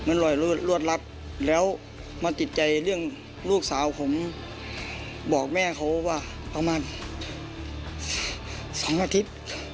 จะถึงรวดรับแล้วมาติดใจเรื่องลูกสาวของบอกแม่เขาว่าล่ะมาสองแล้วที